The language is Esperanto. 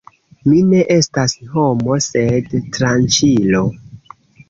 Mi ne estas homo, sed tranĉilo!